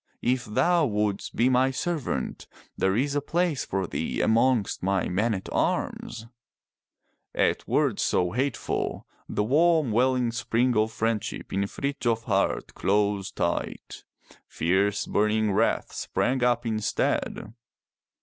If thou wouldst be my servant, there is a place for thee amongst my men at arms!" At words so hateful, the warm welling spring of friendship in Frithjof's heart closed tight. Fierce burning wrath sprang up instead.